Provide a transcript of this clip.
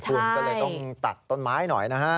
คุณก็เลยต้องตัดต้นไม้หน่อยนะฮะ